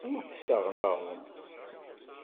Ur d-ssaɣen aɣrum.